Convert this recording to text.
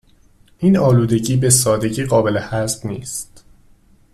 این آلودگی به سادگی قابل حذف نیست